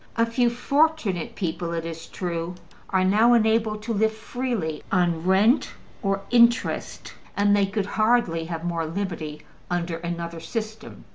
A few fortunate people, it is true, are now enabled to live freely on rent or interest, and they could hardly have more liberty under another system.